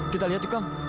kita lihat tuh kang